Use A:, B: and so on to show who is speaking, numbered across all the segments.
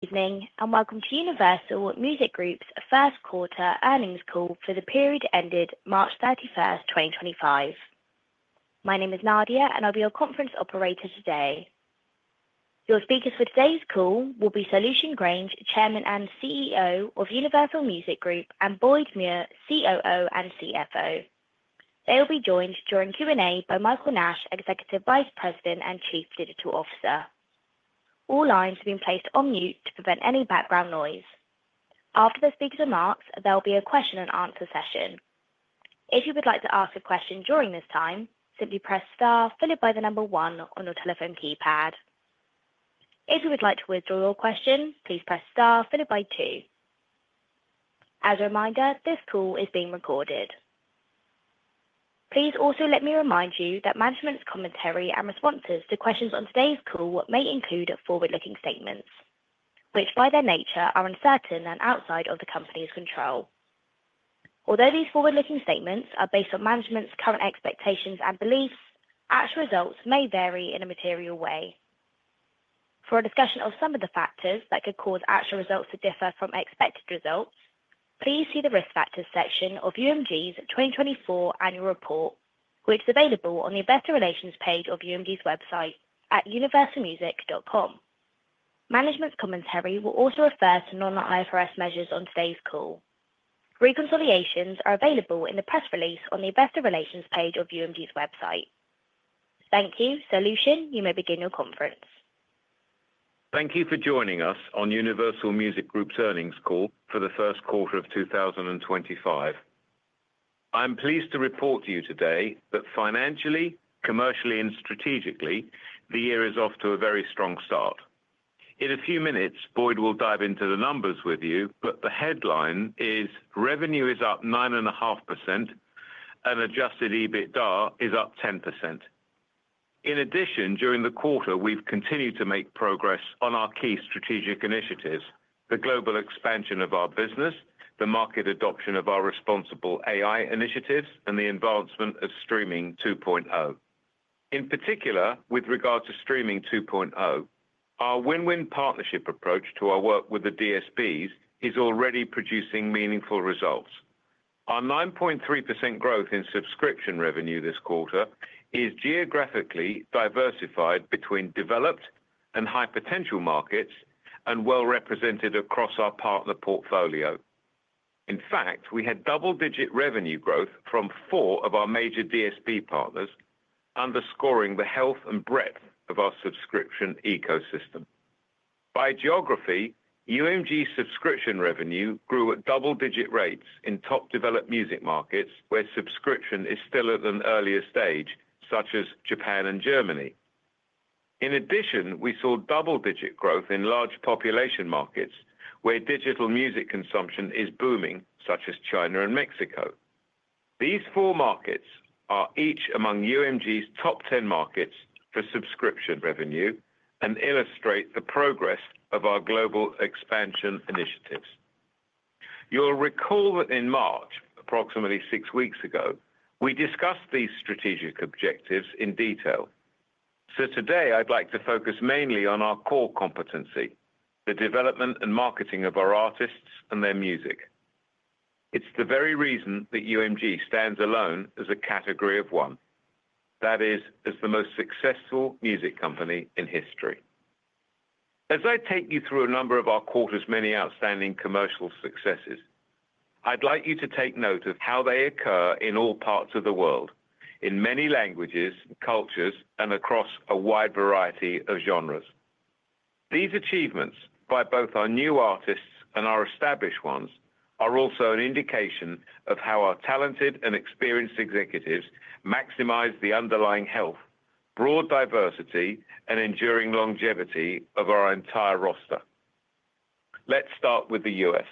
A: Evening, and welcome to Universal Music Group's first quarter earnings call for the period ended March 31, 2025. My name is Nadia, and I'll be your conference operator today. Your speakers for today's call will be Lucian Grainge, Chairman and CEO of Universal Music Group, and Boyd Muir, COO and CFO. They'll be joined during Q&A by Michael Nash, Executive Vice President and Chief Digital Officer. All lines have been placed on mute to prevent any background noise. After the speakers' remarks, there'll be a question-and-answer session. If you would like to ask a question during this time, simply press star followed by the number one on your telephone keypad. If you would like to withdraw your question, please press star followed by two. As a reminder, this call is being recorded. Please also let me remind you that management's commentary and responses to questions on today's call may include forward-looking statements, which by their nature are uncertain and outside of the company's control. Although these forward-looking statements are based on management's current expectations and beliefs, actual results may vary in a material way. For a discussion of some of the factors that could cause actual results to differ from expected results, please see the risk factors section of UMG's 2024 annual report, which is available on the Investor Relations page of UMG's website at universalmusic.com. Management's commentary will also refer to non-IFRS measures on today's call. Reconciliations are available in the press release on the Investor Relations page of UMG's website. Thank you. Lucian, you may begin your conference.
B: Thank you for joining us on Universal Music Group's earnings call for the first quarter of 2025. I'm pleased to report to you today that financially, commercially, and strategically, the year is off to a very strong start. In a few minutes, Boyd will dive into the numbers with you, but the headline is, "Revenue is up 9.5%, and adjusted EBITDA is up 10%." In addition, during the quarter, we've continued to make progress on our key strategic initiatives: the global expansion of our business, the market adoption of our responsible AI initiatives, and the advancement of Streaming 2.0. In particular, with regard to Streaming 2.0, our win-win partnership approach to our work with the DSPs is already producing meaningful results. Our 9.3% growth in subscription revenue this quarter is geographically diversified between developed and high-potential markets and well-represented across our partner portfolio. In fact, we had double-digit revenue growth from four of our major DSP partners, underscoring the health and breadth of our subscription ecosystem. By geography, UMG's subscription revenue grew at double-digit rates in top developed music markets, where subscription is still at an earlier stage, such as Japan and Germany. In addition, we saw double-digit growth in large population markets, where digital music consumption is booming, such as China and Mexico. These four markets are each among UMG's top 10 markets for subscription revenue and illustrate the progress of our global expansion initiatives. You'll recall that in March, approximately six weeks ago, we discussed these strategic objectives in detail. Today, I'd like to focus mainly on our core competency, the development and marketing of our artists and their music. It's the very reason that UMG stands alone as a category of one, that is, as the most successful music company in history. As I take you through a number of our quarter's many outstanding commercial successes, I'd like you to take note of how they occur in all parts of the world, in many languages, cultures, and across a wide variety of genres. These achievements, by both our new artists and our established ones, are also an indication of how our talented and experienced executives maximize the underlying health, broad diversity, and enduring longevity of our entire roster. Let's start with the U.S.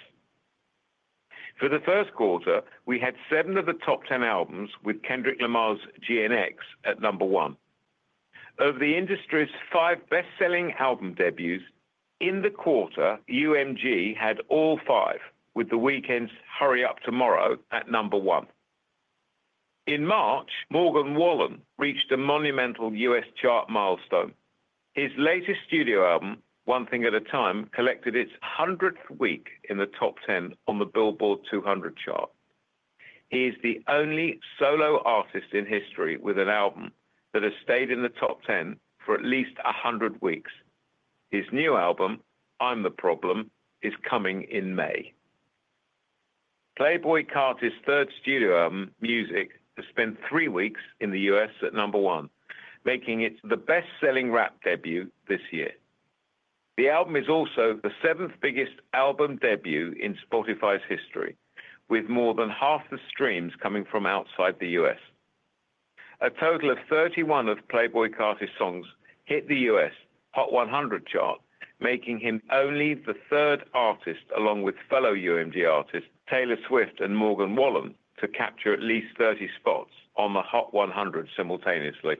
B: For the first quarter, we had seven of the top 10 albums with Kendrick Lamar's GNX at number one. Of the industry's five best-selling album debuts, in the quarter, UMG had all five, with The Weeknd's "Hurry Up Tomorrow" at number one. In March, Morgan Wallen reached a monumental U.S. chart milestone. His latest studio album, "One Thing at a Time," collected its 100th week in the top 10 on the Billboard 200 chart. He is the only solo artist in history with an album that has stayed in the top 10 for at least 100 weeks. His new album, "I'm the Problem," is coming in May. Playboi Carti's third studio album, "Music," has spent three weeks in the U.S. at number one, making it the best-selling rap debut this year. The album is also the seventh biggest album debut in Spotify's history, with more than half the streams coming from outside the U.S. A total of 31 of Playboi Carti's songs hit the U.S. Hot 100 chart, making him only the third artist, along with fellow UMG artists Taylor Swift and Morgan Wallen, to capture at least 30 spots on the Hot 100 simultaneously.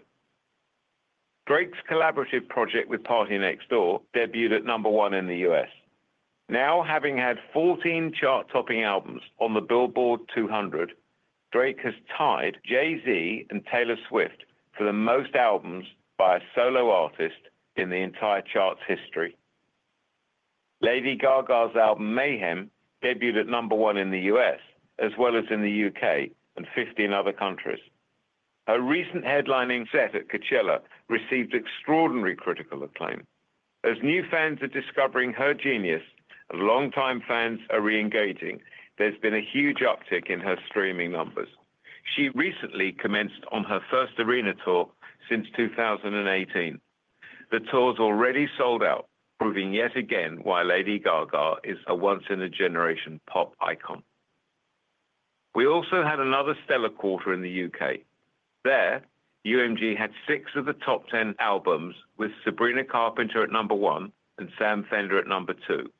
B: Drake's collaborative project with PartyNextDoor debuted at number one in the U.S. Now, having had 14 chart-topping albums on the Billboard 200, Drake has tied Jay-Z and Taylor Swift for the most albums by a solo artist in the entire chart's history. Lady Gaga's album, "Mayhem," debuted at number one in the U.S., as well as in the U.K. and 15 other countries. Her recent headlining set at Coachella received extraordinary critical acclaim. As new fans are discovering her genius and longtime fans are re-engaging, there's been a huge uptick in her streaming numbers. She recently commenced on her first arena tour since 2018. The tour's already sold out, proving yet again why Lady Gaga is a once-in-a-generation pop icon. We also had another stellar quarter in the U.K. There, UMG had six of the top 10 albums with Sabrina Carpenter at number one and Sam Fender at number two.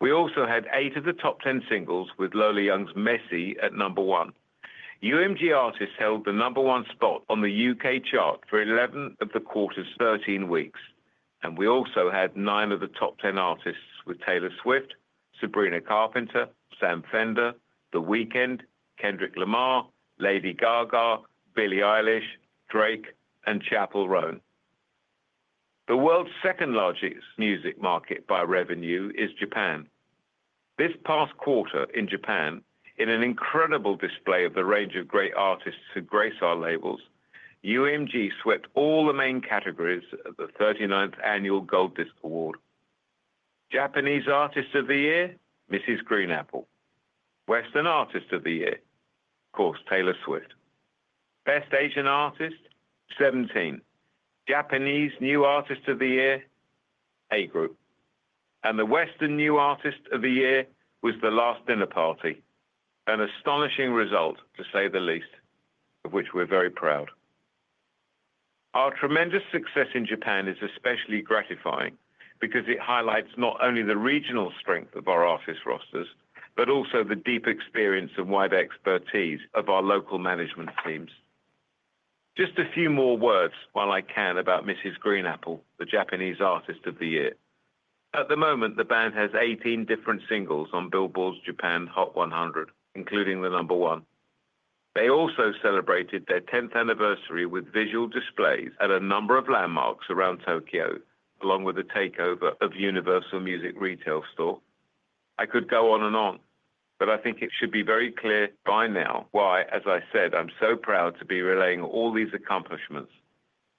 B: We also had eight of the top 10 singles with Lola Young's "Messy" at number one. UMG artists held the number one spot on the U.K. chart for 11 of the quarter's 13 weeks. We also had nine of the top 10 artists with Taylor Swift, Sabrina Carpenter, Sam Fender, The Weeknd, Kendrick Lamar, Lady Gaga, Billie Eilish, Drake, and Chappell Roan. The world's second largest music market by revenue is Japan. This past quarter in Japan, in an incredible display of the range of great artists who grace our labels, UMG swept all the main categories at the 39th Annual Gold Disc Award. Japanese Artist of the Year, Mrs. GREEN APPLE. Western Artist of the Year, of course, Taylor Swift. Best Asian Artist, 17. Japanese New Artist of the Year, Ae! group. The Western New Artist of the Year was The Last Dinner Party, an astonishing result, to say the least, of which we're very proud. Our tremendous success in Japan is especially gratifying because it highlights not only the regional strength of our artist rosters but also the deep experience and wide expertise of our local management teams. Just a few more words, while I can, about Mrs. GREEN APPLE, the Japanese Artist of the Year. At the moment, the band has 18 different singles on Billboard's Japan Hot 100, including the number one. They also celebrated their 10th anniversary with visual displays at a number of landmarks around Tokyo, along with a takeover of Universal Music retail store. I could go on and on, but I think it should be very clear by now why, as I said, I'm so proud to be relaying all these accomplishments.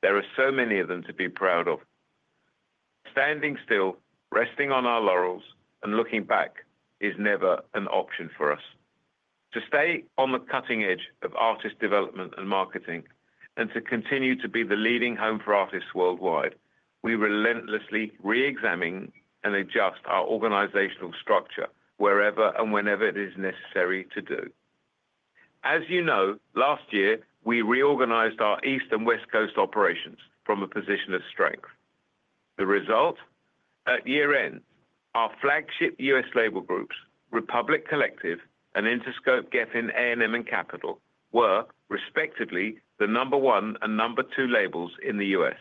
B: There are so many of them to be proud of. Standing still, resting on our laurels, and looking back is never an option for us. To stay on the cutting edge of artist development and marketing and to continue to be the leading home for artists worldwide, we relentlessly re-examine and adjust our organizational structure wherever and whenever it is necessary to do. As you know, last year, we reorganized our East and West Coast operations from a position of strength. The result? At year-end, our flagship U.S. label groups, Republic Collective and Interscope Geffen A&M and Capitol, were, respectively, the number one and number two labels in the U.S.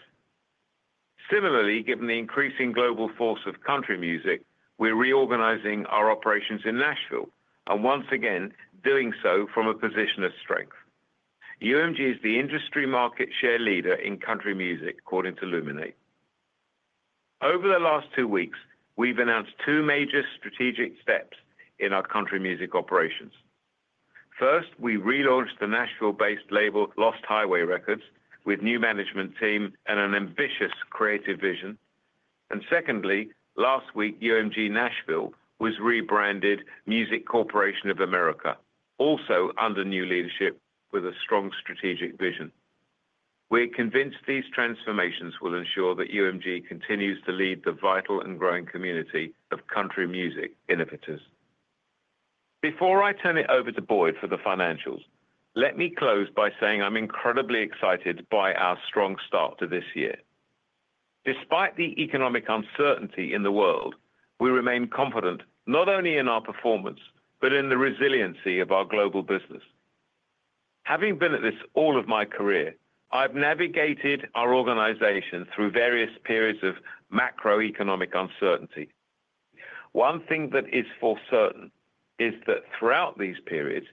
B: Similarly, given the increasing global force of country music, we're reorganizing our operations in Nashville and once again doing so from a position of strength. UMG is the industry market share leader in country music, according to Luminate. Over the last two weeks, we've announced two major strategic steps in our country music operations. First, we relaunched the Nashville-based label Lost Highway Records with new management team and an ambitious creative vision. Secondly, last week, UMG Nashville was rebranded MCA Nashville, also under new leadership with a strong strategic vision. We're convinced these transformations will ensure that UMG continues to lead the vital and growing community of country music innovators. Before I turn it over to Boyd for the financials, let me close by saying I'm incredibly excited by our strong start to this year. Despite the economic uncertainty in the world, we remain confident not only in our performance but in the resiliency of our global business. Having been at this all of my career, I've navigated our organization through various periods of macroeconomic uncertainty. One thing that is for certain is that throughout these periods,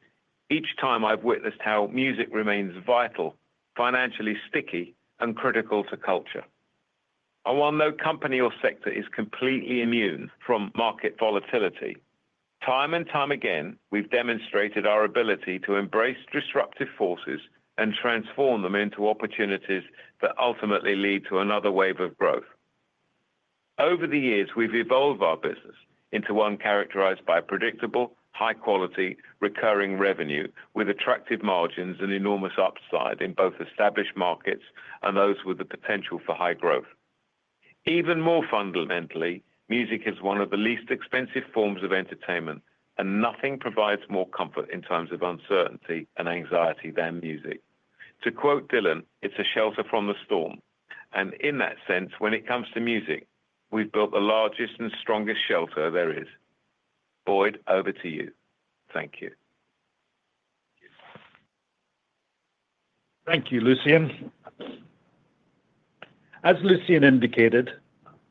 B: each time I've witnessed how music remains vital, financially sticky, and critical to culture. While no company or sector is completely immune from market volatility, time and time again, we've demonstrated our ability to embrace disruptive forces and transform them into opportunities that ultimately lead to another wave of growth. Over the years, we've evolved our business into one characterized by predictable, high-quality, recurring revenue with attractive margins and enormous upside in both established markets and those with the potential for high growth. Even more fundamentally, music is one of the least expensive forms of entertainment, and nothing provides more comfort in times of uncertainty and anxiety than music. To quote Dylan, "It's a shelter from the storm." In that sense, when it comes to music, we've built the largest and strongest shelter there is. Boyd, over to you. Thank you.
C: Thank you, Lucian. As Lucian indicated,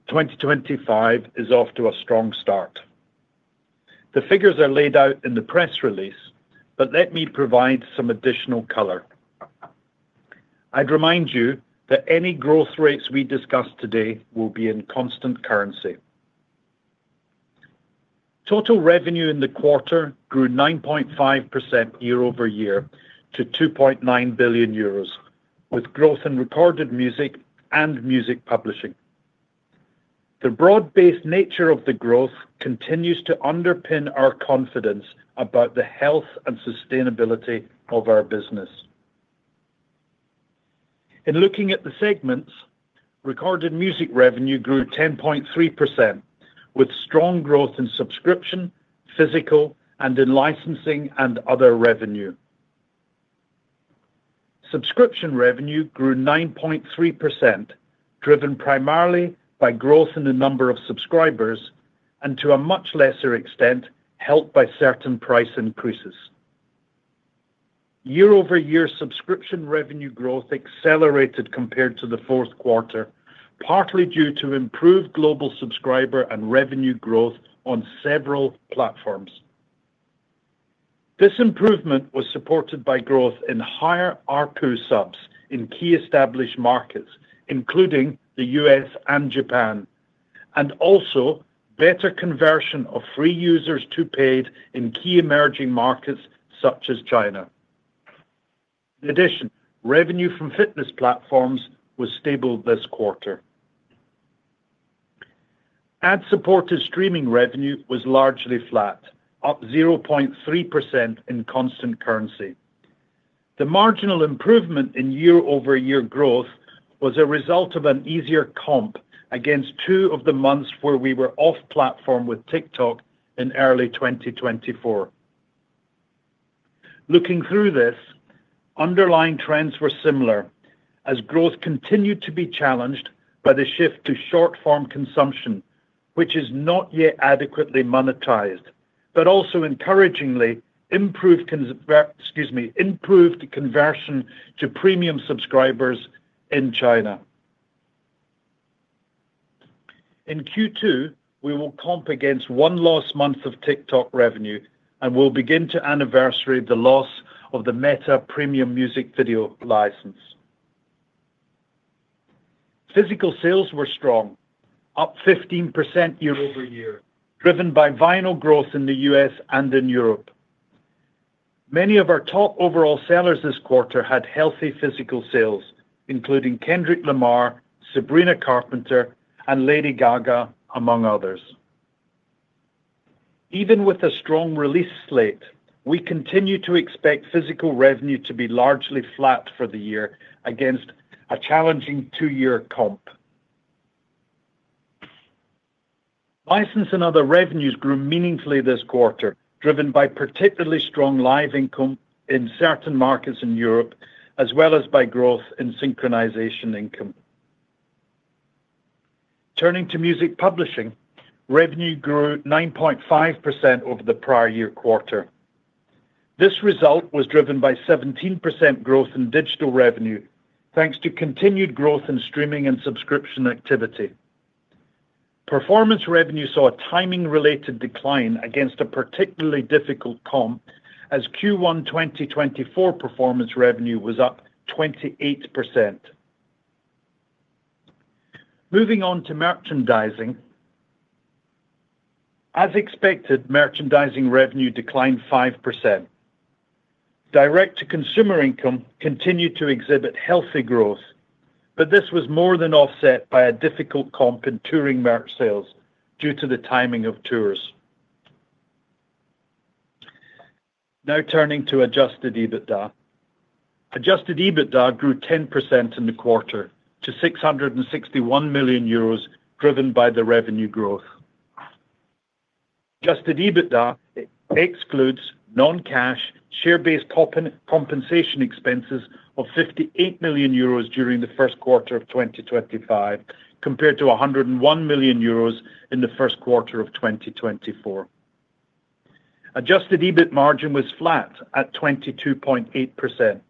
C: 2025 is off to a strong start. The figures are laid out in the press release, but let me provide some additional color. I'd remind you that any growth rates we discuss today will be in constant currency. Total revenue in the quarter grew 9.5% year over year to 2.9 billion euros, with growth in recorded music and music publishing. The broad-based nature of the growth continues to underpin our confidence about the health and sustainability of our business. In looking at the segments, recorded music revenue grew 10.3%, with strong growth in subscription, physical, and in licensing and other revenue. Subscription revenue grew 9.3%, driven primarily by growth in the number of subscribers and, to a much lesser extent, helped by certain price increases. Year-over-year subscription revenue growth accelerated compared to the fourth quarter, partly due to improved global subscriber and revenue growth on several platforms. This improvement was supported by growth in higher ARPU subs in key established markets, including the U.S. and Japan, and also better conversion of free users to paid in key emerging markets such as China. In addition, revenue from fitness platforms was stable this quarter. Ad-supported streaming revenue was largely flat, up 0.3% in constant currency. The marginal improvement in year-over-year growth was a result of an easier comp against two of the months where we were off-platform with TikTok in early 2024. Looking through this, underlying trends were similar, as growth continued to be challenged by the shift to short-form consumption, which is not yet adequately monetized, but also, encouragingly, improved conversion to premium subscribers in China. In Q2, we will comp against one lost month of TikTok revenue and will begin to anniversary the loss of the Meta Premium Music Video license. Physical sales were strong, up 15% year over year, driven by vinyl growth in the U.S. and in Europe. Many of our top overall sellers this quarter had healthy physical sales, including Kendrick Lamar, Sabrina Carpenter, and Lady Gaga, among others. Even with a strong release slate, we continue to expect physical revenue to be largely flat for the year against a challenging two-year comp. License and other revenues grew meaningfully this quarter, driven by particularly strong live income in certain markets in Europe, as well as by growth in synchronization income. Turning to music publishing, revenue grew 9.5% over the prior year quarter. This result was driven by 17% growth in digital revenue, thanks to continued growth in streaming and subscription activity. Performance revenue saw a timing-related decline against a particularly difficult comp, as Q1 2024 performance revenue was up 28%. Moving on to merchandising. As expected, merchandising revenue declined 5%. Direct-to-consumer income continued to exhibit healthy growth, but this was more than offset by a difficult comp in touring merch sales due to the timing of tours. Now turning to adjusted EBITDA. Adjusted EBITDA grew 10% in the quarter to 661 million euros, driven by the revenue growth. Adjusted EBITDA excludes non-cash, share-based compensation expenses of 58 million euros during the first quarter of 2025, compared to 101 million euros in the first quarter of 2024. Adjusted EBIT margin was flat at 22.8%.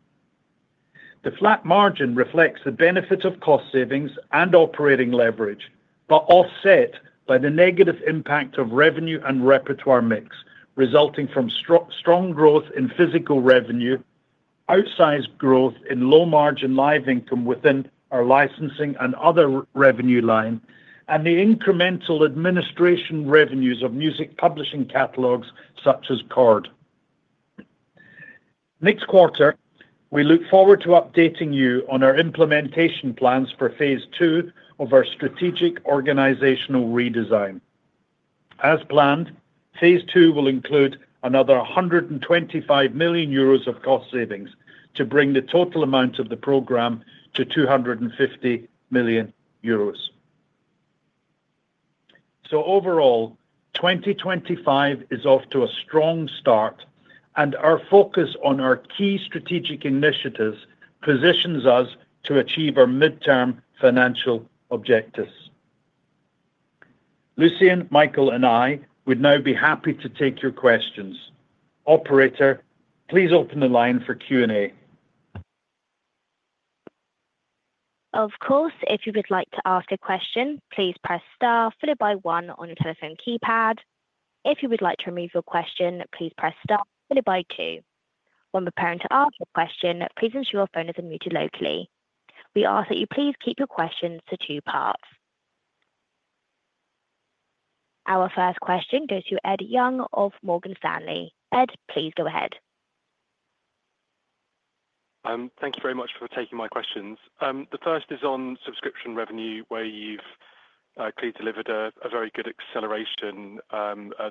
C: The flat margin reflects the benefit of cost savings and operating leverage, but offset by the negative impact of revenue and repertoire mix resulting from strong growth in physical revenue, outsized growth in low-margin live income within our licensing and other revenue line, and the incremental administration revenues of music publishing catalogs such as Concord. Next quarter, we look forward to updating you on our implementation plans for phase 2 of our strategic organizational redesign. As planned, phase 2 will include another 125 million euros of cost savings to bring the total amount of the program to 250 million euros. Overall, 2025 is off to a strong start, and our focus on our key strategic initiatives positions us to achieve our midterm financial objectives. Lucian, Michael, and I would now be happy to take your questions. Operator, please open the line for Q&A.
A: Of course, if you would like to ask a question, please press Star followed by 1 on your telephone keypad. If you would like to remove your question, please press Star followed by 2. When preparing to ask a question, please ensure your phone is unmuted locally. We ask that you please keep your questions to two parts. Our first question goes to Ed Young of Morgan Stanley. Ed, please go ahead.
D: Thank you very much for taking my questions. The first is on subscription revenue, where you've clearly delivered a very good acceleration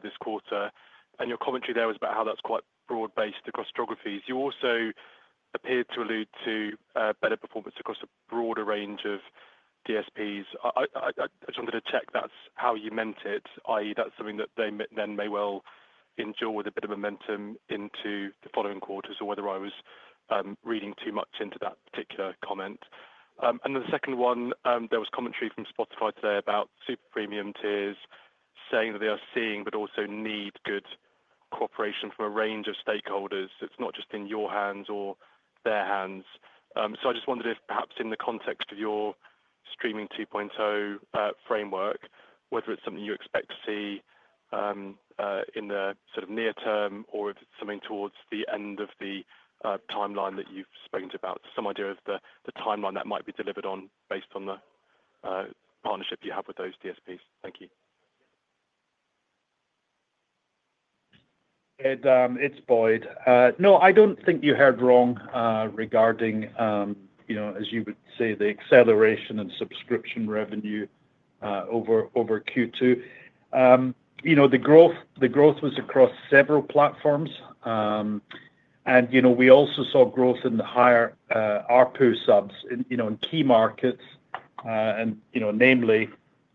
D: this quarter. Your commentary there was about how that's quite broad-based across geographies. You also appeared to allude to better performance across a broader range of DSPs. I just wanted to check that's how you meant it, i.e., that's something that they then may well endure with a bit of momentum into the following quarters, or whether I was reading too much into that particular comment. The second one, there was commentary from Spotify today about Super Premium Tiers saying that they are seeing but also need good cooperation from a range of stakeholders. It's not just in your hands or their hands. I just wondered if perhaps in the context of your Streaming 2.0 framework, whether it's something you expect to see in the sort of near term or if it's something towards the end of the timeline that you've spoken to about, some idea of the timeline that might be delivered on based on the partnership you have with those DSPs. Thank you.
C: Ed, it's Boyd. No, I don't think you heard wrong regarding, as you would say, the acceleration in subscription revenue over Q2. The growth was across several platforms, and we also saw growth in the higher ARPU subs in key markets, namely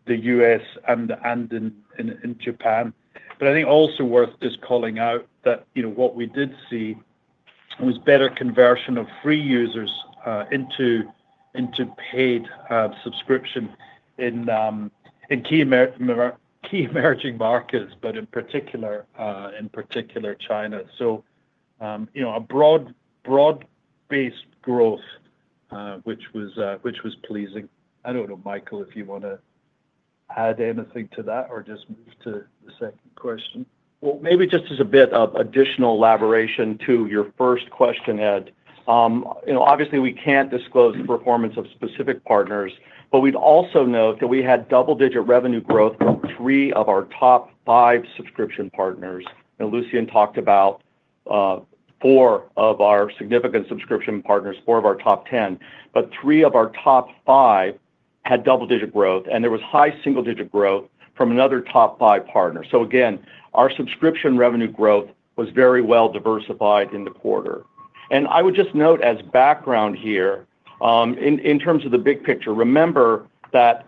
C: the U.S. and in Japan. I think also worth just calling out that what we did see was better conversion of free users into paid subscription in key emerging markets, in particular, China. A broad-based growth, which was pleasing. I don't know, Michael, if you want to add anything to that or just move to the second question.
E: Maybe just as a bit of additional elaboration to your first question, Ed. Obviously, we can't disclose the performance of specific partners, but we'd also note that we had double-digit revenue growth from three of our top five subscription partners. Lucian talked about four of our significant subscription partners, four of our top 10, but three of our top five had double-digit growth, and there was high single-digit growth from another top five partner. Our subscription revenue growth was very well diversified in the quarter. I would just note as background here, in terms of the big picture, remember that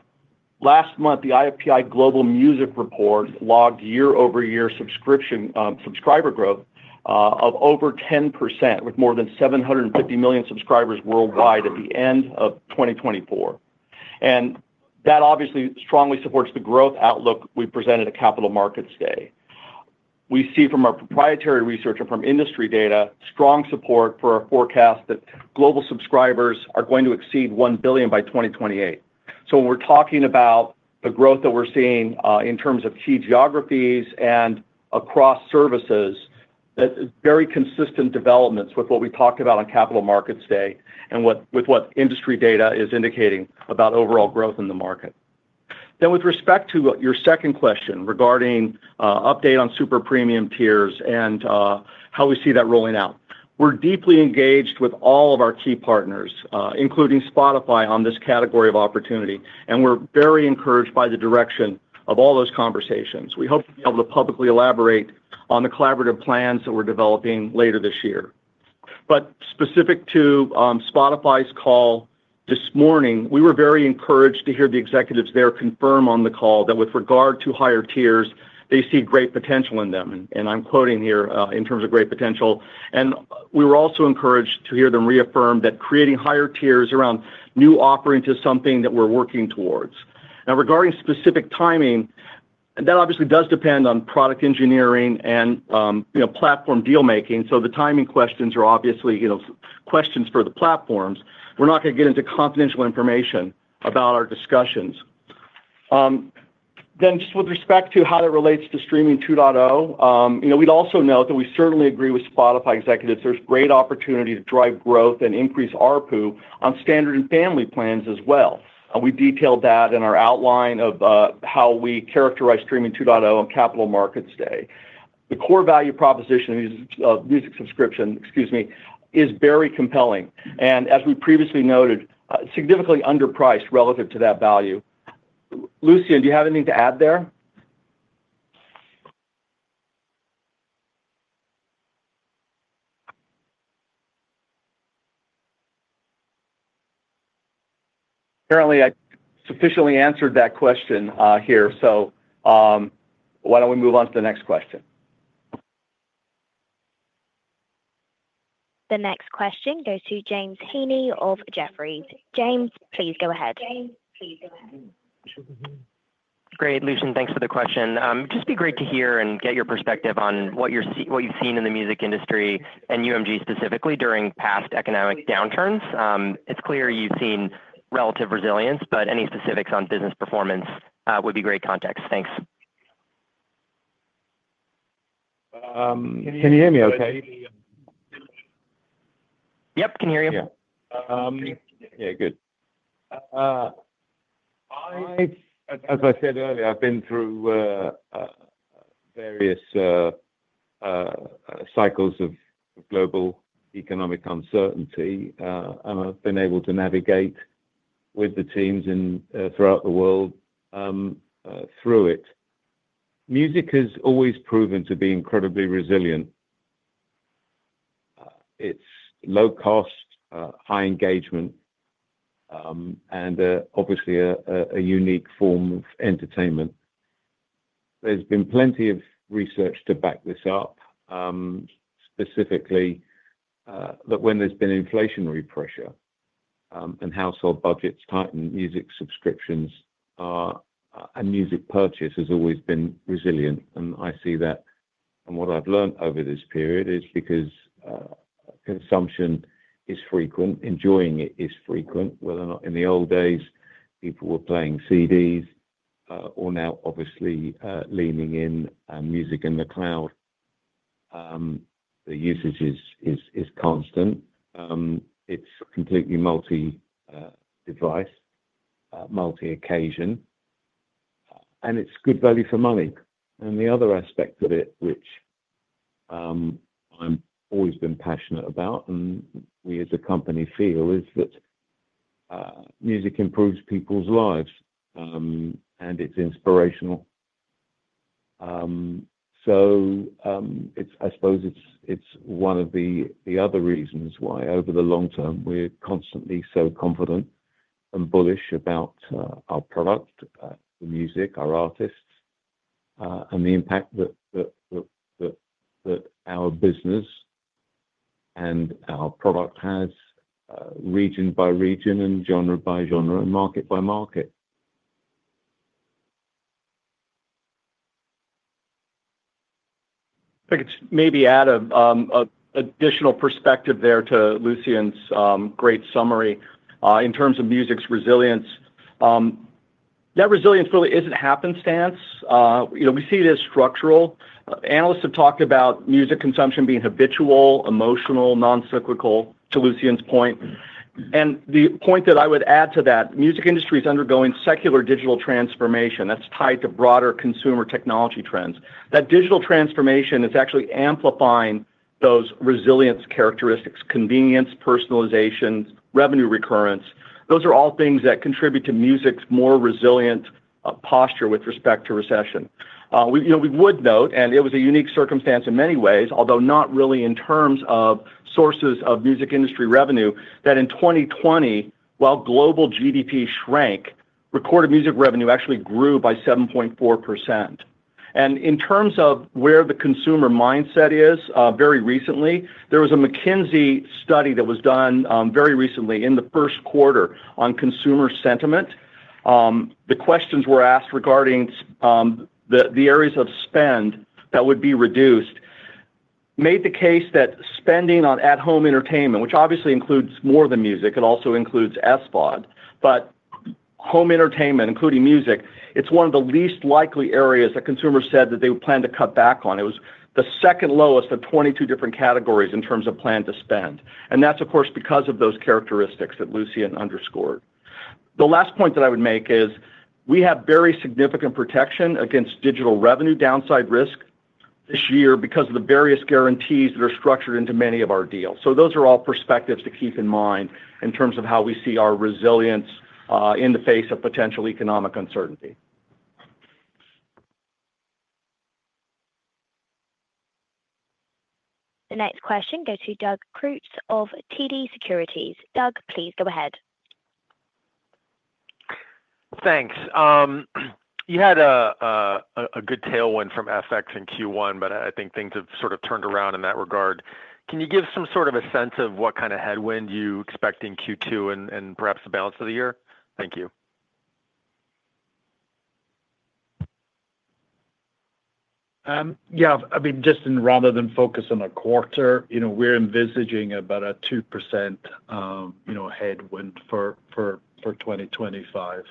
E: last month, the IFPI Global Music Report logged year-over-year subscriber growth of over 10% with more than 750 million subscribers worldwide at the end of 2024. That obviously strongly supports the growth outlook we presented at Capital Markets Day. We see from our proprietary research and from industry data strong support for our forecast that global subscribers are going to exceed 1 billion by 2028. When we're talking about the growth that we're seeing in terms of key geographies and across services, that's very consistent developments with what we talked about on Capital Markets Day and with what industry data is indicating about overall growth in the market. With respect to your second question regarding update on Super Premium Tiers and how we see that rolling out, we're deeply engaged with all of our key partners, including Spotify, on this category of opportunity, and we're very encouraged by the direction of all those conversations. We hope to be able to publicly elaborate on the collaborative plans that we're developing later this year. Specific to Spotify's call this morning, we were very encouraged to hear the executives there confirm on the call that with regard to higher tiers, they see great potential in them. I'm quoting here in terms of great potential. We were also encouraged to hear them reaffirm that creating higher tiers around new offerings is something that we're working towards. Now, regarding specific timing, that obviously does depend on product engineering and platform dealmaking, so the timing questions are obviously questions for the platforms. We're not going to get into confidential information about our discussions. Just with respect to how that relates to Streaming 2.0, we'd also note that we certainly agree with Spotify executives there's great opportunity to drive growth and increase ARPU on standard and family plans as well. We detailed that in our outline of how we characterize Streaming 2.0 on Capital Markets Day. The core value proposition of music subscription, excuse me, is very compelling. As we previously noted, significantly underpriced relative to that value. Lucian, do you have anything to add there? Apparently, I sufficiently answered that question here, so why don't we move on to the next question?
A: The next question goes to James Heaney of Jefferies. James, please go ahead.
F: Great. Lucian, thanks for the question. It'd just be great to hear and get your perspective on what you've seen in the music industry and UMG specifically during past economic downturns. It's clear you've seen relative resilience, but any specifics on business performance would be great context. Thanks.
C: Can you hear me okay?
B: Yep, can hear you. Yeah. Yeah, good. As I said earlier, I've been through various cycles of global economic uncertainty, and I've been able to navigate with the teams throughout the world through it. Music has always proven to be incredibly resilient. It's low cost, high engagement, and obviously a unique form of entertainment. There's been plenty of research to back this up, specifically that when there's been inflationary pressure and household budgets tightened, music subscriptions and music purchase has always been resilient. I see that, and what I've learned over this period is because consumption is frequent; enjoying it is frequent. Whether or not in the old days, people were playing CDs or now obviously leaning in music in the cloud, the usage is constant. It's completely multi-device, multi-occasion, and it's good value for money. The other aspect of it, which I've always been passionate about and we as a company feel, is that music improves people's lives and it's inspirational. I suppose it's one of the other reasons why over the long term we're constantly so confident and bullish about our product, the music, our artists, and the impact that our business and our product has region by region and genre by genre and market by market.
E: I think it's maybe add an additional perspective there to Lucian's great summary in terms of music's resilience. That resilience really isn't happenstance. We see it as structural. Analysts have talked about music consumption being habitual, emotional, noncyclical, to Lucian's point. The point that I would add to that, the music industry is undergoing secular digital transformation that's tied to broader consumer technology trends. That digital transformation is actually amplifying those resilience characteristics: convenience, personalization, revenue recurrence. Those are all things that contribute to music's more resilient posture with respect to recession. We would note, and it was a unique circumstance in many ways, although not really in terms of sources of music industry revenue, that in 2020, while global GDP shrank, recorded music revenue actually grew by 7.4%. In terms of where the consumer mindset is, very recently, there was a McKinsey study that was done very recently in the first quarter on consumer sentiment. The questions were asked regarding the areas of spend that would be reduced, made the case that spending on at-home entertainment, which obviously includes more than music, it also includes SVOD, but home entertainment, including music, it's one of the least likely areas that consumers said that they would plan to cut back on. It was the second lowest of 22 different categories in terms of plan to spend. That is, of course, because of those characteristics that Lucian underscored. The last point that I would make is we have very significant protection against digital revenue downside risk this year because of the various guarantees that are structured into many of our deals. Those are all perspectives to keep in mind in terms of how we see our resilience in the face of potential economic uncertainty.
A: The next question goes to Doug Creutz of TD Securities. Doug, please go ahead.
G: Thanks. You had a good tailwind from FX in Q1, but I think things have sort of turned around in that regard. Can you give some sort of a sense of what kind of headwind you expect in Q2 and perhaps the balance of the year? Thank you.
C: Yeah. I mean, just in rather than focus on a quarter, we're envisaging about a 2% headwind for 2025.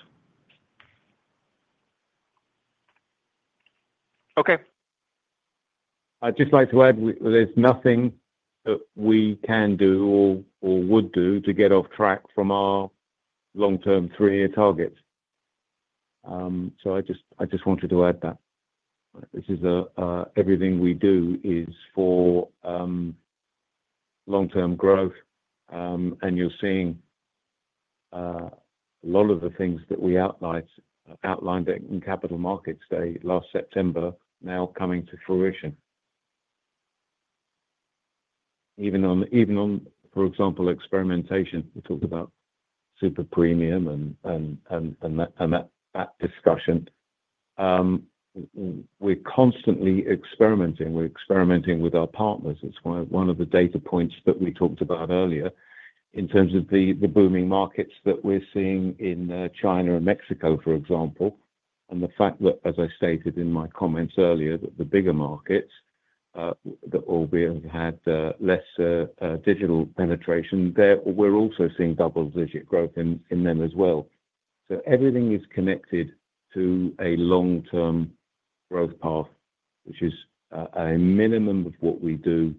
B: Okay. I'd just like to add there's nothing that we can do or would do to get off track from our long-term three-year target. I just wanted to add that. Everything we do is for long-term growth, and you're seeing a lot of the things that we outlined in Capital Markets Day last September now coming to fruition. Even on, for example, experimentation, we talked about Super Premium and that discussion. We're constantly experimenting. We're experimenting with our partners. It's one of the data points that we talked about earlier in terms of the booming markets that we're seeing in China and Mexico, for example, and the fact that, as I stated in my comments earlier, that the bigger markets that albeit have had less digital penetration, we're also seeing double-digit growth in them as well. Everything is connected to a long-term growth path, which is a minimum of what we do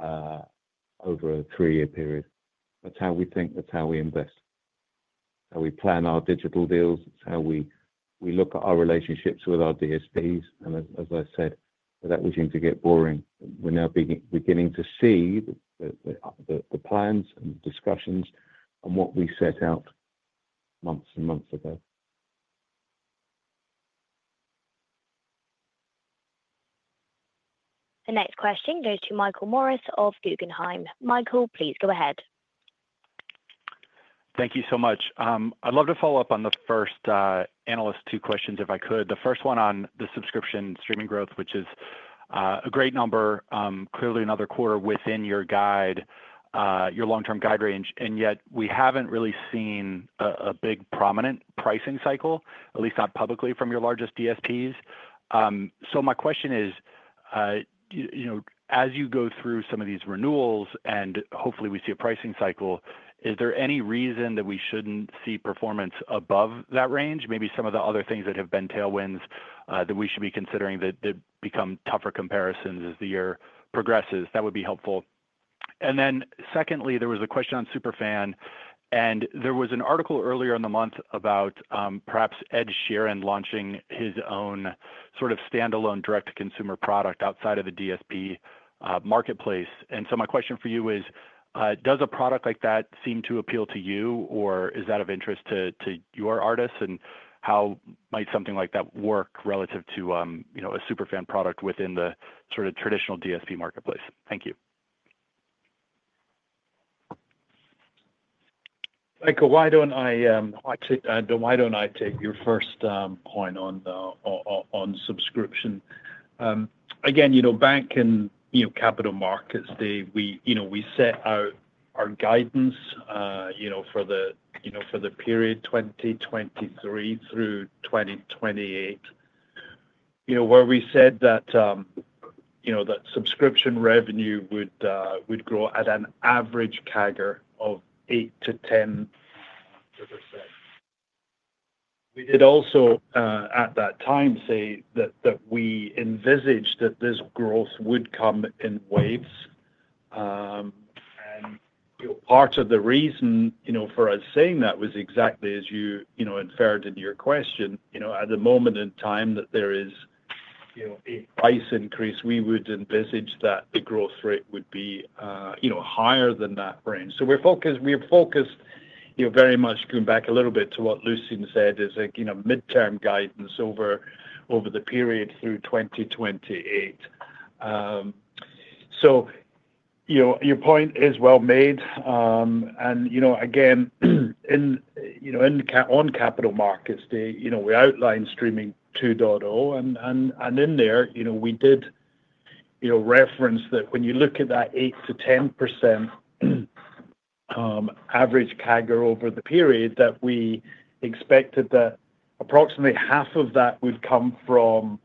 B: over a three-year period. That's how we think, that's how we invest, how we plan our digital deals, it's how we look at our relationships with our DSPs. As I said, without wishing to get boring, we're now beginning to see the plans and discussions and what we set out months and months ago.
A: The next question goes to Michael Morris of Guggenheim. Michael, please go ahead.
H: Thank you so much. I'd love to follow up on the first analyst two questions if I could. The first one on the subscription streaming growth, which is a great number, clearly another quarter within your long-term guide range, and yet we haven't really seen a big prominent pricing cycle, at least not publicly from your largest DSPs. My question is, as you go through some of these renewals and hopefully we see a pricing cycle, is there any reason that we shouldn't see performance above that range? Maybe some of the other things that have been tailwinds that we should be considering that become tougher comparisons as the year progresses. That would be helpful. There was a question on Superfan, and there was an article earlier in the month about perhaps Ed Sheeran launching his own sort of standalone direct-to-consumer product outside of the DSP marketplace. My question for you is, does a product like that seem to appeal to you, or is that of interest to your artists, and how might something like that work relative to a Superfan product within the sort of traditional DSP marketplace? Thank you.
C: Michael, why don't I take your first point on subscription? Again, back in Capital Markets Day, we set out our guidance for the period 2023 through 2028, where we said that subscription revenue would grow at an average CAGR of 8-10%. We did also at that time say that we envisaged that this growth would come in waves. Part of the reason for us saying that was exactly as you inferred in your question. At the moment in time that there is a price increase, we would envisage that the growth rate would be higher than that range. We are focused very much going back a little bit to what Lucian said as a midterm guidance over the period through 2028. Your point is well made. On Capital Markets Day, we outlined Streaming 2.0, and in there we did reference that when you look at that 8-10% average CAGR over the period, we expected that approximately half of that would come from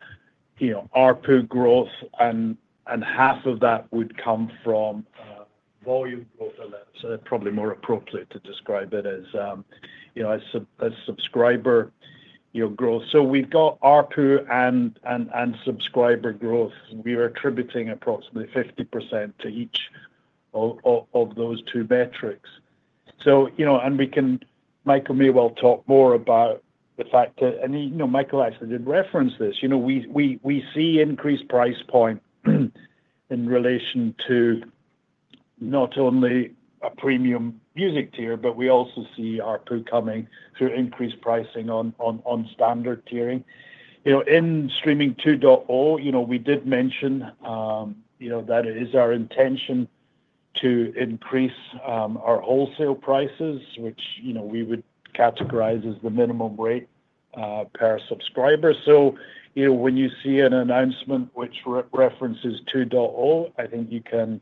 C: ARPU growth and half of that would come from volume growth alone. That is probably more appropriate to describe as subscriber growth. We have got ARPU and subscriber growth. We are attributing approximately 50% to each of those two metrics. Michael may well talk more about the fact that, and Michael actually did reference this, we see increased price points in relation to not only a premium music tier, but we also see ARPU coming through increased pricing on standard tiering. In Streaming 2.0, we did mention that it is our intention to increase our wholesale prices, which we would categorize as the minimum rate per subscriber. When you see an announcement which references 2.0, I think you can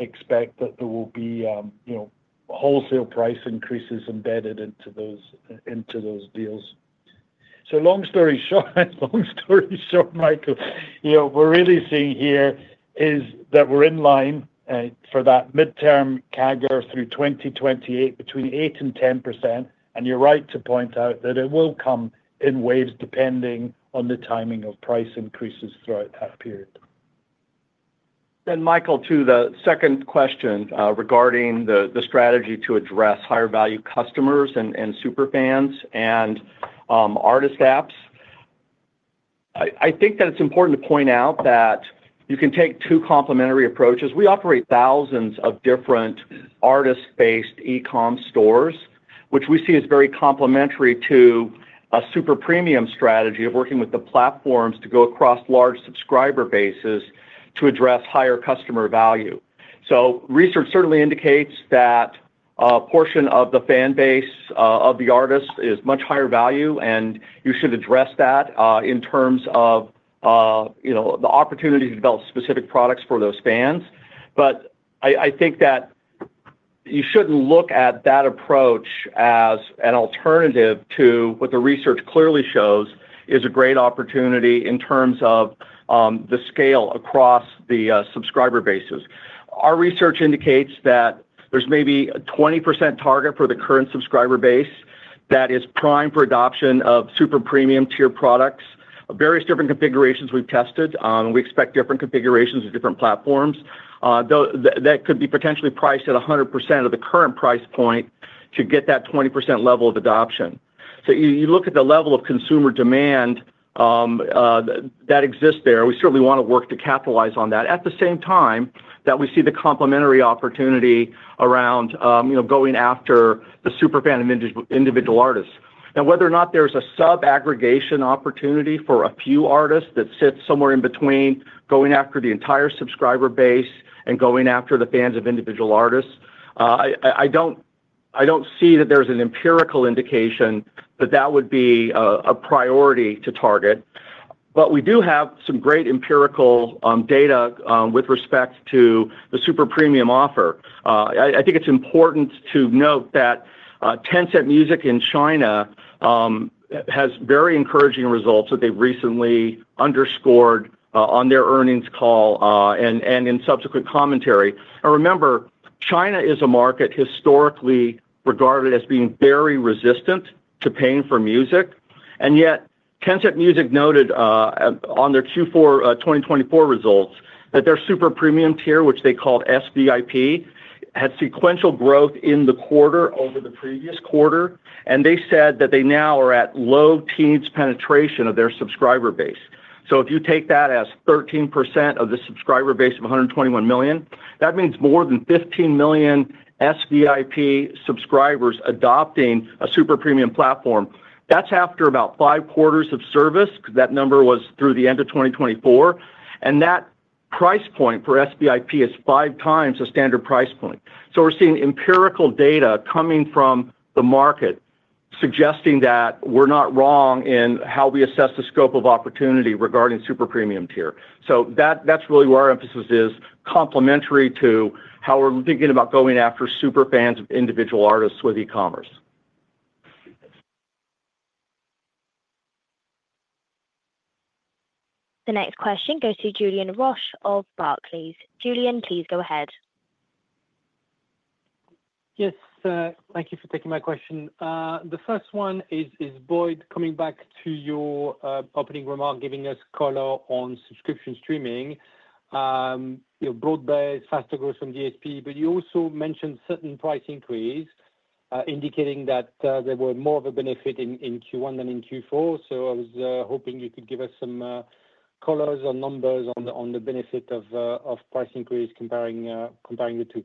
C: expect that there will be wholesale price increases embedded into those deals. Long story short, Michael, what we're really seeing here is that we're in line for that midterm CAGR through 2028 between 8% and 10%. You're right to point out that it will come in waves depending on the timing of price increases throughout that period.
E: Michael, to the second question regarding the strategy to address higher value customers and Superfans and artist apps, I think that it's important to point out that you can take two complementary approaches. We operate thousands of different artist-based e-comm stores, which we see as very complementary to a Super Premium strategy of working with the platforms to go across large subscriber bases to address higher customer value. Research certainly indicates that a portion of the fan base of the artist is much higher value, and you should address that in terms of the opportunity to develop specific products for those fans. I think that you shouldn't look at that approach as an alternative to what the research clearly shows is a great opportunity in terms of the scale across the subscriber bases. Our research indicates that there's maybe a 20% target for the current subscriber base that is primed for adoption of Super Premium tier products of various different configurations we've tested. We expect different configurations of different platforms. That could be potentially priced at 100% of the current price point to get that 20% level of adoption. You look at the level of consumer demand that exists there, we certainly want to work to capitalize on that. At the same time, we see the complementary opportunity around going after the Superfan and individual artists. Now, whether or not there's a sub-aggregation opportunity for a few artists that sits somewhere in between going after the entire subscriber base and going after the fans of individual artists, I don't see that there's an empirical indication that that would be a priority to target. We do have some great empirical data with respect to the Super Premium offer. I think it's important to note that Tencent Music in China has very encouraging results that they've recently underscored on their earnings call and in subsequent commentary. Remember, China is a market historically regarded as being very resistant to paying for music. Yet, Tencent Music noted on their Q4 2024 results that their Super Premium tier, which they called SVIP, had sequential growth in the quarter over the previous quarter. They said that they now are at low teens penetration of their subscriber base. If you take that as 13% of the subscriber base of 121 million, that means more than 15 million SVIP subscribers adopting a Super Premium platform. That's after about five quarters of service because that number was through the end of 2024. That price point for SVIP is five times the standard price point. We are seeing empirical data coming from the market suggesting that we are not wrong in how we assess the scope of opportunity regarding Super Premium tier. That is really where our emphasis is, complementary to how we are thinking about going after Superfans of individual artists with e-commerce.
A: The next question goes to Julien Roch of Barclays. Julien, please go ahead.
I: Yes. Thank you for taking my question. The first one is, Boyd, coming back to your opening remark, giving us color on subscription streaming, your broad-based faster growth from DSP, but you also mentioned certain price increase, indicating that there were more of a benefit in Q1 than in Q4. I was hoping you could give us some colors or numbers on the benefit of price increase comparing the two.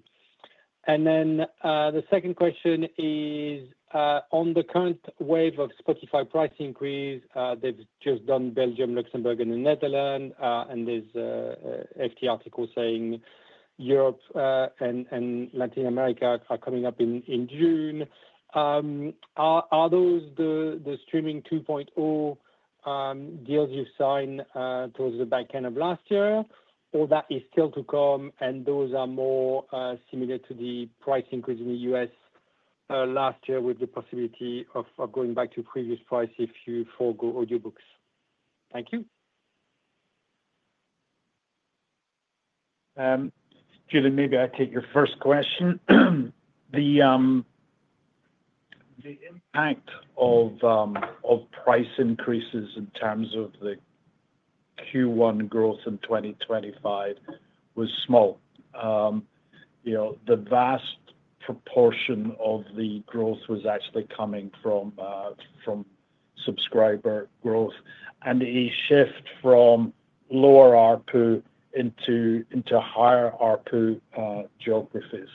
I: The second question is, on the current wave of Spotify price increase, they've just done Belgium, Luxembourg, and the Netherlands, and there's an FT article saying Europe and Latin America are coming up in June. Are those the Streaming 2.0 deals you've signed towards the back end of last year, or that is still to come? Are those more similar to the price increase in the U.S. last year with the possibility of going back to the previous price if you forego audiobooks? Thank you.
C: Julien, maybe I'll take your first question. The impact of price increases in terms of the Q1 growth in 2025 was small. The vast proportion of the growth was actually coming from subscriber growth and a shift from lower ARPU into higher ARPU geographies.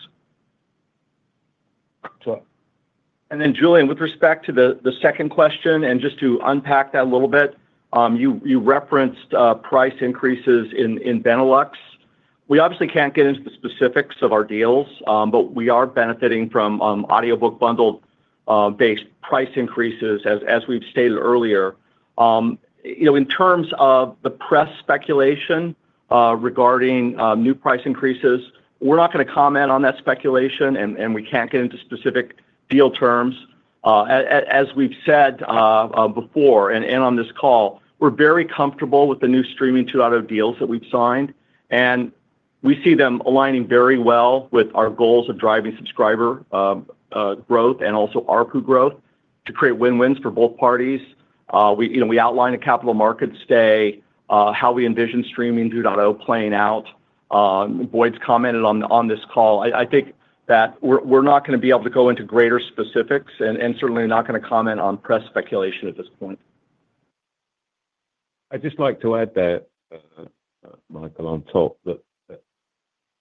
E: Julien, with respect to the second question and just to unpack that a little bit, you referenced price increases in Benelux. We obviously can't get into the specifics of our deals, but we are benefiting from audiobook bundle-based price increases, as we've stated earlier. In terms of the press speculation regarding new price increases, we're not going to comment on that speculation, and we can't get into specific deal terms. As we've said before and on this call, we're very comfortable with the new Streaming 2.0 deals that we've signed, and we see them aligning very well with our goals of driving subscriber growth and also ARPU growth to create win-wins for both parties. We outlined at Capital Markets Day how we envision Streaming 2.0 playing out. Boyd's commented on this call. I think that we're not going to be able to go into greater specifics and certainly not going to comment on press speculation at this point.
B: I'd just like to add that, Michael, on top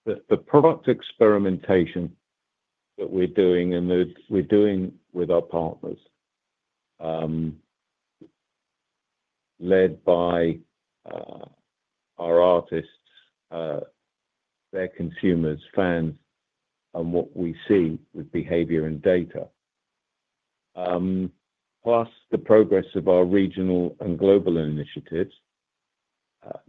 B: of that, the product experimentation that we're doing and we're doing with our partners, led by our artists, their consumers, fans, and what we see with behavior and data, plus the progress of our regional and global initiatives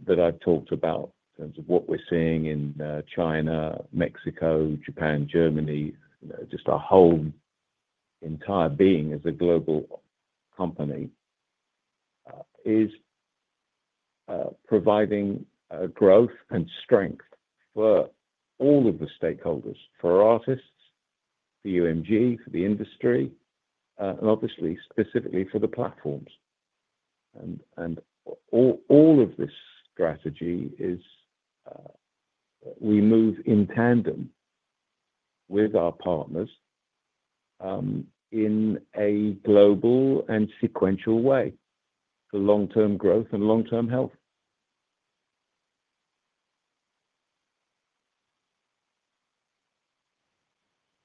B: that I've talked about in terms of what we're seeing in China, Mexico, Japan, Germany, just our whole entire being as a global company, is providing growth and strength for all of the stakeholders, for artists, for UMG, for the industry, and obviously, specifically for the platforms. All of this strategy is we move in tandem with our partners in a global and sequential way for long-term growth and long-term health.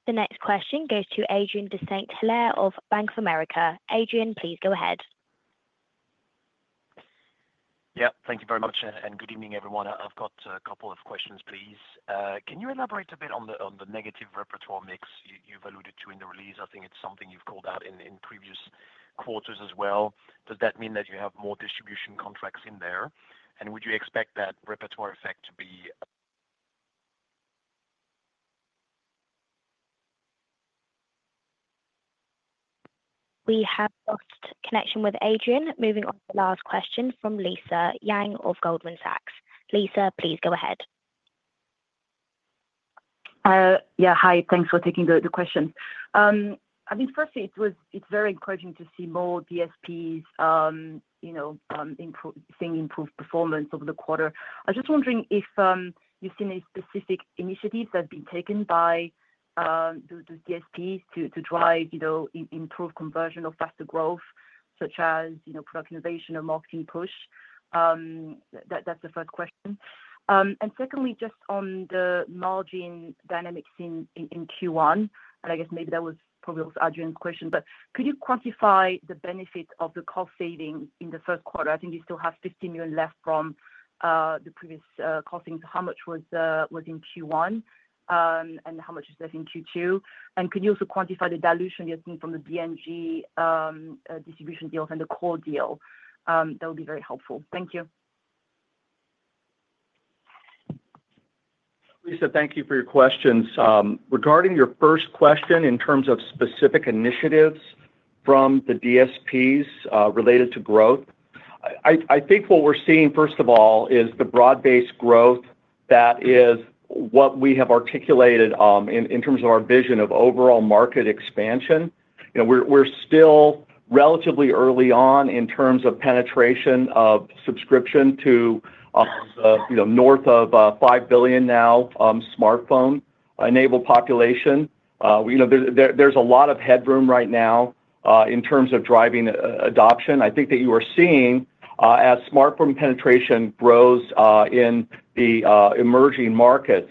A: The next question goes to Adrien de Saint Hilaire of Bank of America. Adrien, please go ahead.
J: Yeah. Thank you very much. Good evening, everyone. I've got a couple of questions, please. Can you elaborate a bit on the negative repertoire mix you've alluded to in the release? I think it's something you've called out in previous quarters as well. Does that mean that you have more distribution contracts in there? Would you expect that repertoire effect to be?
A: We have lost connection with Adrien. Moving on to the last question from Lisa Yang of Goldman Sachs. Lisa, please go ahead.
K: Yeah. Hi. Thanks for taking the question. I mean, firstly, it's very encouraging to see more DSPs seeing improved performance over the quarter. I was just wondering if you've seen any specific initiatives that have been taken by those DSPs to drive improved conversion or faster growth, such as product innovation or marketing push. That's the first question. Secondly, just on the margin dynamics in Q1, and I guess maybe that was probably also Adrien's question, could you quantify the benefit of the cost savings in the first quarter? I think you still have 15 million left from the previous cost savings. How much was in Q1, and how much is left in Q2? Could you also quantify the dilution you've seen from the BMG distribution deals and the core deal? That would be very helpful. Thank you.
E: Lisa, thank you for your questions. Regarding your first question in terms of specific initiatives from the DSPs related to growth, I think what we're seeing, first of all, is the broad-based growth that is what we have articulated in terms of our vision of overall market expansion. We're still relatively early on in terms of penetration of subscription to north of 5 billion now smartphone-enabled population. There's a lot of headroom right now in terms of driving adoption. I think that you are seeing, as smartphone penetration grows in the emerging markets,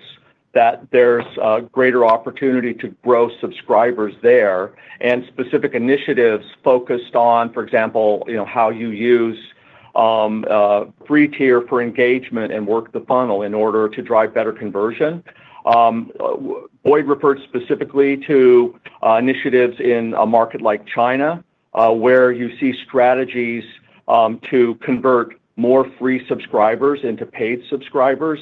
E: that there's greater opportunity to grow subscribers there and specific initiatives focused on, for example, how you use free tier for engagement and work the funnel in order to drive better conversion. Boyd referred specifically to initiatives in a market like China where you see strategies to convert more free subscribers into paid subscribers.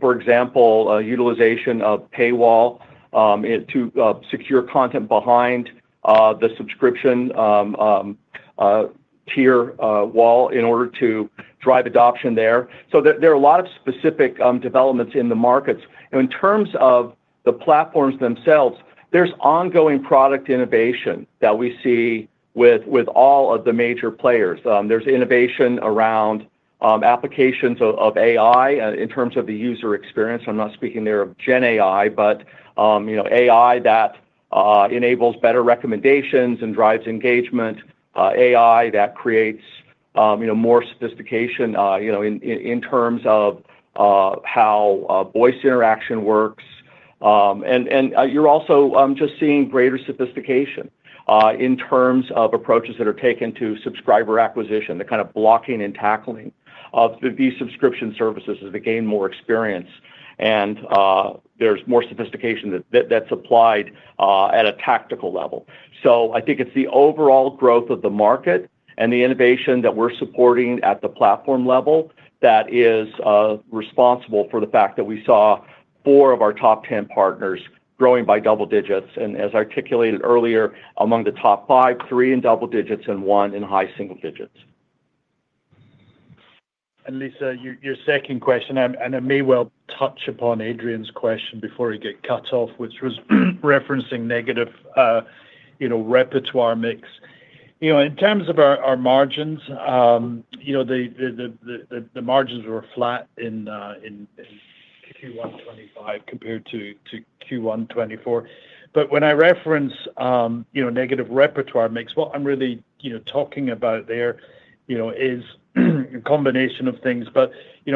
E: For example, utilization of paywall to secure content behind the subscription tier wall in order to drive adoption there. There are a lot of specific developments in the markets. In terms of the platforms themselves, there's ongoing product innovation that we see with all of the major players. There's innovation around applications of AI in terms of the user experience. I'm not speaking there of Gen AI, but AI that enables better recommendations and drives engagement, AI that creates more sophistication in terms of how voice interaction works. You're also just seeing greater sophistication in terms of approaches that are taken to subscriber acquisition, the kind of blocking and tackling of the subscription services as they gain more experience. There's more sophistication that's applied at a tactical level. I think it's the overall growth of the market and the innovation that we're supporting at the platform level that is responsible for the fact that we saw four of our top 10 partners growing by double digits. As articulated earlier, among the top five, three in double digits and one in high single digits.
C: Lisa, your second question, and I may well touch upon Adrien's question before we get cut off, which was referencing negative repertoire mix. In terms of our margins, the margins were flat in Q1 2025 compared to Q1 2024. When I reference negative repertoire mix, what I'm really talking about there is a combination of things.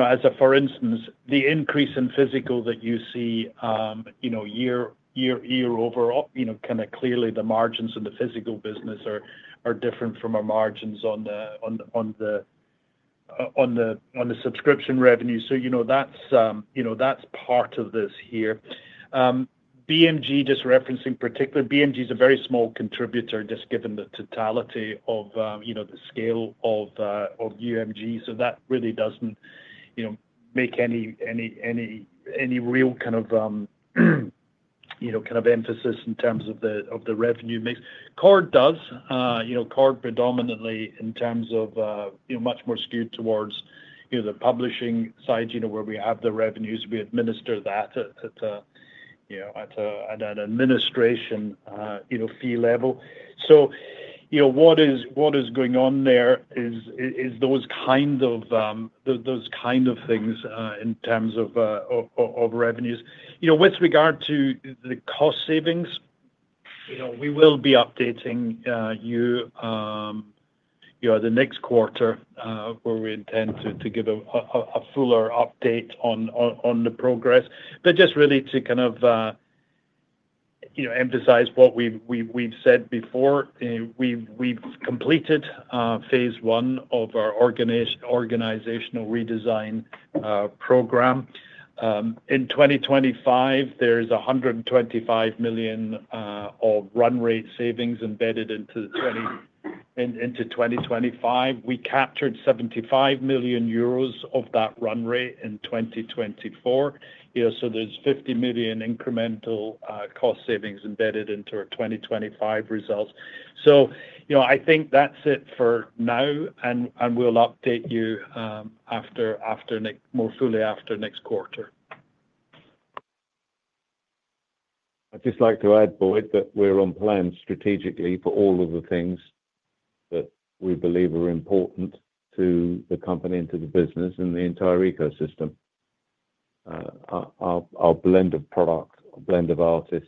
C: As a for instance, the increase in physical that you see year over, kind of clearly the margins in the physical business are different from our margins on the subscription revenue. That's part of this here. BMG, just referencing particularly, BMG is a very small contributor, just given the totality of the scale of UMG. That really doesn't make any real kind of emphasis in terms of the revenue mix. Concord does. Concord predominantly in terms of much more skewed towards the publishing side where we have the revenues. We administer that at an administration fee level. What is going on there is those kind of things in terms of revenues. With regard to the cost savings, we will be updating you the next quarter where we intend to give a fuller update on the progress. Just really to emphasize what we've said before, we've completed phase one of our organizational redesign program. In 2025, there's 125 million of run rate savings embedded into 2025. We captured 75 million euros of that run rate in 2024. There is 50 million incremental cost savings embedded into our 2025 results. I think that's it for now, and we'll update you more fully after next quarter.
B: I'd just like to add, Boyd, that we're on plan strategically for all of the things that we believe are important to the company and to the business and the entire ecosystem. Our blend of product, our blend of artists,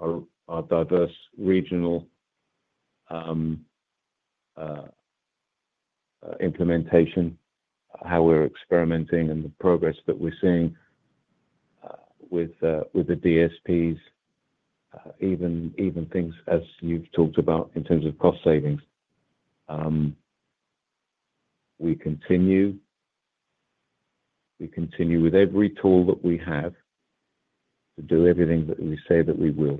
B: our diverse regional implementation, how we're experimenting, and the progress that we're seeing with the DSPs, even things as you've talked about in terms of cost savings. We continue with every tool that we have to do everything that we say that we will.